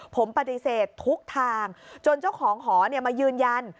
ผมปฏิเสธทุกทางจนเจ้าของหอมายืนยัน